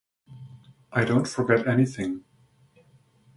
I don't forget anything.